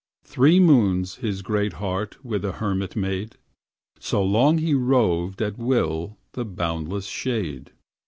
Three moons his great heart him a hermit made, So long he roved at will the boundless shade.